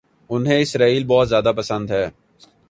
انہیں اسرائیل بہت زیادہ پسند ہے